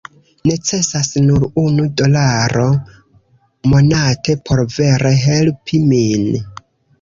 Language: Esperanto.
Necesas nur unu dolaro monate por vere helpi min